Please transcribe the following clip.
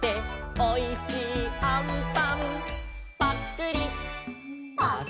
「おいしいあんぱんぱっくり」「」